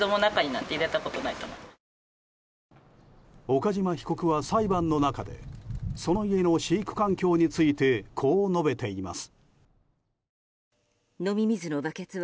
岡島被告は裁判の中でその家の飼育環境についてこう述べています。